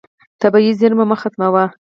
طبیعي زیرمه مه ختموه.